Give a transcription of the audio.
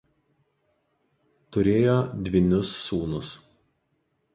Turėjo dvynius sūnus.